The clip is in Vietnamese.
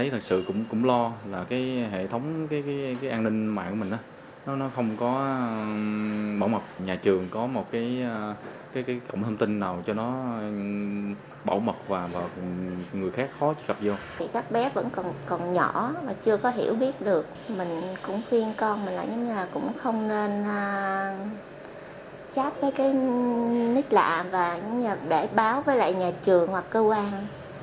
để báo với lại nhà trường hoặc cơ quan